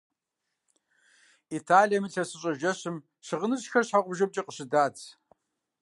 Италием ИлъэсыщӀэ жэщым щыгъыныжьхэр щхьэгъубжэмкӀэ къыщыдадз.